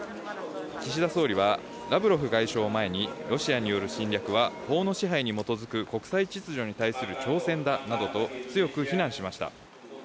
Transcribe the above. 岸田総理は、ラブロフ外相を前に、ロシアによる侵略は法の支配に基づく国際秩序に対する挑戦だなどと強く非難しました。